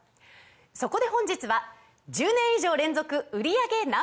そこで本日は１０年以上連続売り上げＮｏ．１